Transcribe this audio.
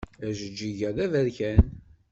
Ajeǧǧig-a d aberkan.